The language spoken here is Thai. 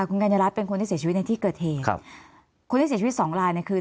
คุณกัญญารัฐเป็นคนที่เสียชีวิตในที่เกิดเหตุครับคนที่เสียชีวิตสองลายเนี่ยคือ